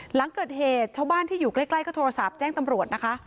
หลังเกิดเหตุชาวบ้านที่อยู่ใกล้ก็โทรศัพท์แจ้งตำรวจนะคะ